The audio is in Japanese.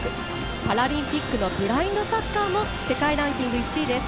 パラリンピックのブラインドサッカーも世界ランキング１位です。